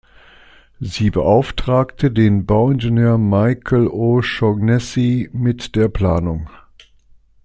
Sie beauftragte den Bauingenieur Michael O’Shaughnessy mit der Planung.